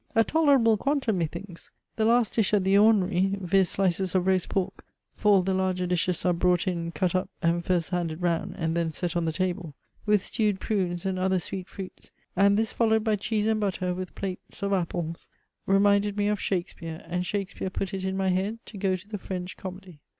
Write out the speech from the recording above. A tolerable quantum, methinks! The last dish at the ordinary, viz. slices of roast pork, (for all the larger dishes are brought in, cut up, and first handed round and then set on the table,) with stewed prunes and other sweet fruits, and this followed by cheese and butter, with plates of apples, reminded me of Shakespeare , and Shakespeare put it in my head to go to the French comedy.